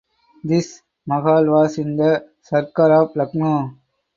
This "mahal" was in the sarkar of Lucknow.